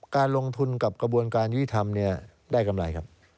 การลงทุนกับกระบวนการยุติธรรมได้กำไรครับ